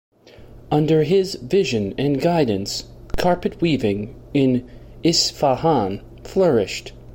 Under his vision and guidance carpet weaving in Isfahan flourished.